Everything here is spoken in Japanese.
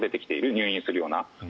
入院するような。